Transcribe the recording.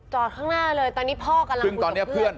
จอดข้างหน้าเลยตอนนี้พ่อกำลังคุยกับเพื่อน